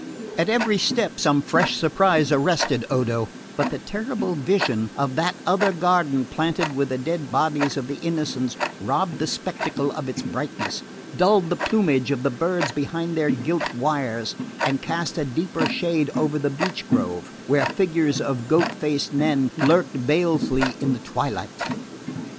At every step some fresh surprise arrested Odo; but the terrible vision of that other garden planted with the dead bodies of the Innocents robbed the spectacle of its brightness, dulled the plumage of the birds behind their gilt wires and cast a deeper shade over the beech grove, where figures of goat faced men lurked balefully in the twilight.